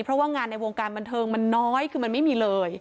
เพราะว่างานในวงการบันเทิงมันน้อยคือมันไม่มีเลย